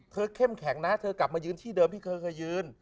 เข้มแข็งนะเธอกลับมายืนที่เดิมที่เธอเคยยืน